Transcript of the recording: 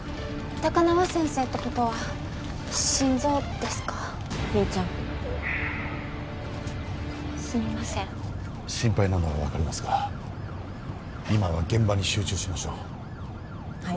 高輪先生ってことは心臓ですかミンちゃんすみません心配なのは分かりますが今は現場に集中しましょうはい